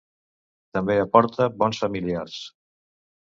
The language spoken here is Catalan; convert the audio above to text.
També aporta bons familiars.